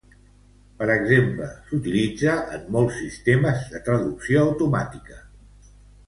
Per exemple, s"utilitza en molts sistemes de traducció automàtica.